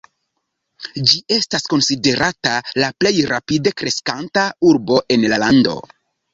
Ĝi estas konsiderata la plej rapide kreskanta urbo en la lando.